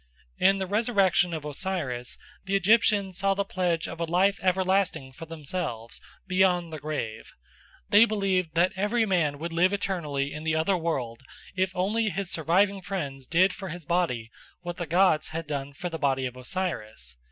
In the resurrection of Osiris the Egyptians saw the pledge of a life everlasting for themselves beyond the grave. They believed that every man would live eternally in the other world if only his surviving friends did for his body what the gods had done for the body of Osiris.